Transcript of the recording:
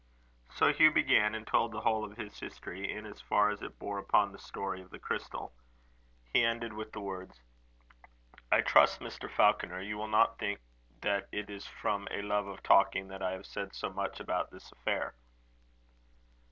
So Hugh began, and told the whole of his history, in as far as it bore upon the story of the crystal. He ended with the words: "I trust, Mr. Falconer, you will not think that it is from a love of talking that I have said so much about this affair."